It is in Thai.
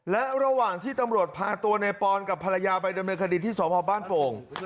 และระหว่างที่ตำรวจพาตัวนายปรอนกับภรรยาไปที่สมหาพบ้านโป่ง